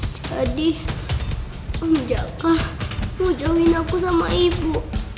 jadi bang cakak mau jauhin aku sama ibu